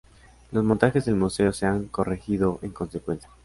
Los montajes del museo se han corregido en consecuencia.